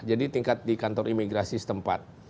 jadi tingkat di kantor imigrasi setempat